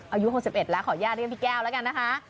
อายุ๑๘๑๙แล้วขออนุญาตด้วยพี่แก้วละกัน